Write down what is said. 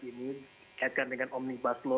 ini ikan dengan omni baslo